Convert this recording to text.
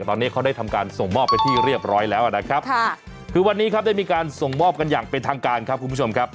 ตอนนี้เขาได้ทำการส่งมอบไปที่เรียบร้อยแล้วนะครับค่ะคือวันนี้ครับได้มีการส่งมอบกันอย่างเป็นทางการครับคุณผู้ชมครับ